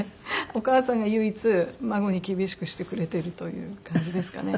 お母さんが唯一孫に厳しくしてくれてるという感じですかね。